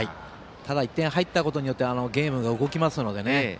１点が入ったことによってゲームが動きますのでね。